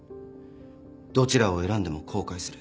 どちらを選んでも後悔する。